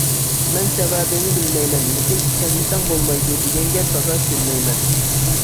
مەن سەۋەبىنى بىلمەيمەن، لېكىن ئىشەنمىسەڭ بولمايدۇ دېگەنگە تازا كۆنمەيمەن.